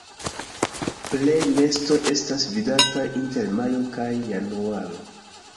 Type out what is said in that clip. Plej nestoj estas vidataj inter majo kaj januaro.